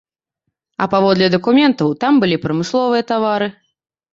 А паводле дакументаў, там былі прамысловыя тавары.